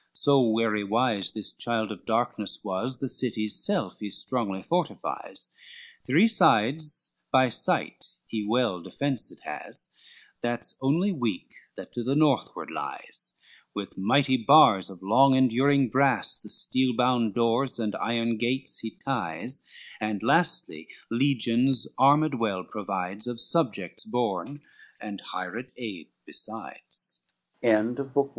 XC So wary wise this child of darkness was; The city's self he strongly fortifies, Three sides by site it well defenced has, That's only weak that to the northward lies; With mighty bars of long enduring brass, The steel bound doors and iron gates he ties, And, lastly, legions armed well provides Of subjects born, and hired aid besid